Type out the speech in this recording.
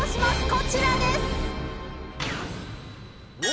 こちらです。